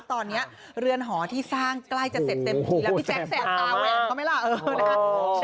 ตอนนี้เรือนหอที่สร้างใกล้จะเสร็จเต็มทีแล้วพี่แจ๊คแสบตาแหวนเขาไหมล่ะ